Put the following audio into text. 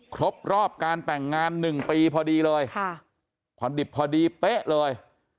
ครบรอบการแต่งงาน๑ปีพอดีเลยค่ะพอดิบพอดีเป๊ะเลย